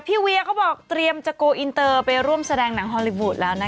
เวียเขาบอกเตรียมจะโกลอินเตอร์ไปร่วมแสดงหนังฮอลลี่วูดแล้วนะคะ